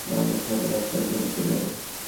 আপনাদের সম্মান একবার গেলো তো গেলো।